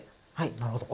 なるほど。